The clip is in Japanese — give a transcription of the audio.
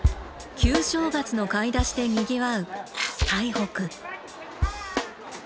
旧正月の買い出しで賑わう台北。